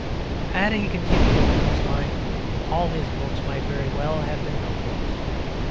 Had he continued along this line all his books might very well have been note books.